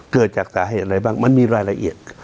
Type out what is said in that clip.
เกิดจากสาเหตุอะไรบ้างมันมีรายละเอียด